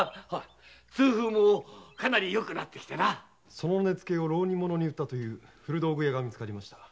その根付を浪人者に売った古道具屋が見つかりました。